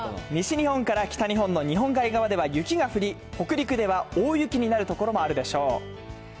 西日本から北日本の日本海側では雪が降り、北陸では大雪になる所もあるでしょう。